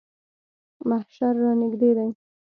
محشر رانږدې دی.